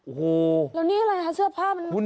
โอ้โหแล้วนี่อะไรฮะเสื้อผ้ามันเกิดขาด